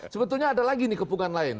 sebetulnya ada lagi nih kepungan lain